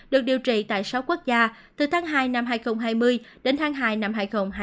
được điều trị tại sáu quốc gia từ tháng hai năm hai nghìn hai mươi đến tháng hai năm hai nghìn hai mươi